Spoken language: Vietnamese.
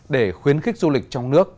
để khuyến khích du lịch trong nước